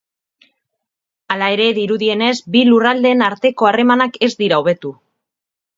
Hala ere, dirudienez, bi lurraldeen arteko harremanak ez dira hobetu.